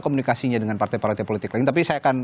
komunikasinya dengan partai partai politik lain tapi saya akan